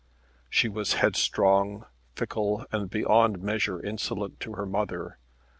She was headstrong, fickle, and beyond measure insolent to her mother.